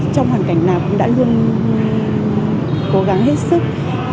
trong hoàn cảnh nào cũng đã luôn cố gắng hết sức